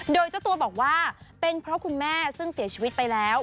โดยเจ้าตัวบอกว่าเป็นเพราะคุณแม่ซึ่งเสียชีวิตไปแล้ว